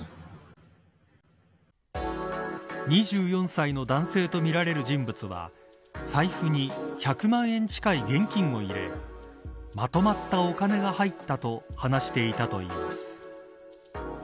２４歳の男性とみられる人物は財布に１００万円近い現金を入れまとまったお金が入ったと話していたといいます。